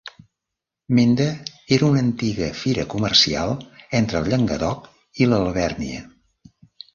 Mende era una antiga fira comercial entre el Llenguadoc i l'Alvèrnia.